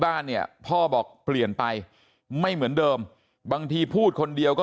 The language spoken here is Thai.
บ้านเนี่ยพ่อบอกเปลี่ยนไปไม่เหมือนเดิมบางทีพูดคนเดียวก็